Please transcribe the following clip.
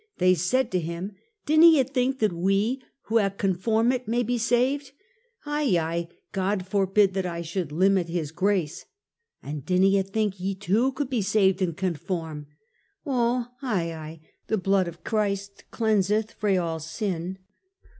They said to him: " Dinna ye think that we, who ha' conformit may be saved?" " Aye, aye, God forbid that I should limit his grace." " An' dinna ye think, ye too could be saved and conform?" " Oh, aye aye. The blood of Christ cleanseth fra all sin."